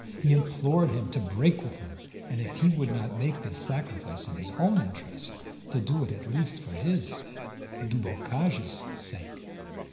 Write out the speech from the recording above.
He implored him to break with her, and, if he would not make this sacrifice in his own interest, to do it at least for his, Dubocage's sake.